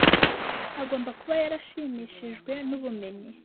agomba kuba yarashimishijwe nubumenyi